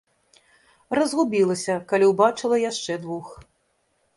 Разгубілася, калі ўбачыла яшчэ двух.